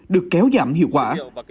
được kéo giảm hiệu quả